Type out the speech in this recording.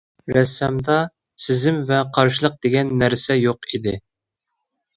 رەسسامدا سېزىم ۋە قارشىلىق دېگەن نەرسە يوق ئىدى.